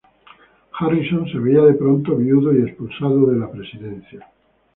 Harrison se veía de pronto viudo y expulsado de la presidencia.